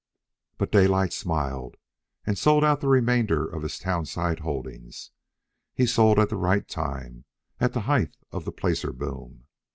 But Daylight smiled, and sold out the remainder of his town site holdings. He sold at the right time, at the height of the placer boom.